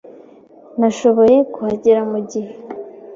Nashoboye kuhagera mugihe.